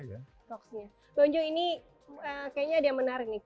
bang jo ini kayaknya ada yang menarik nih